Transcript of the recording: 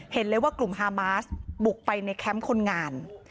เห็นเลยว่ากลุ่มฮามาสบุกไปในแคมป์คนงาน